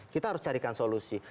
kita harus carikan solusi